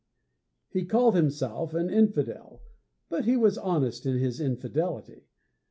He called himself an infidel, but he was honest in his infidelity.